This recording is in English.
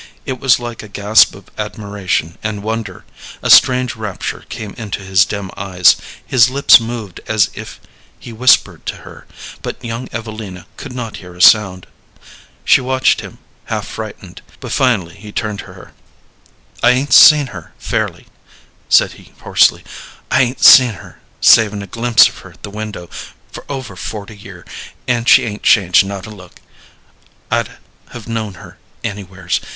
It was like a gasp of admiration and wonder; a strange rapture came into his dim eyes; his lips moved as if he whispered to her, but young Evelina could not hear a sound. She watched him, half frightened, but finally he turned to her. "I 'ain't seen her fairly," said he, hoarsely "I 'ain't seen her, savin' a glimpse of her at the window, for over forty year, and she 'ain't changed, not a look. I'd have known her anywheres.